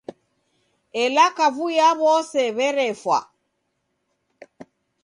Ela kavui ya w'ose werefwa.